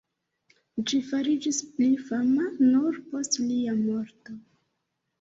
Ĝi fariĝis pli fama nur post lia morto.